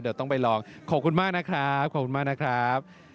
เดี๋ยวต้องไปลองขอบคุณมากนะครับขอบคุณมากนะครับ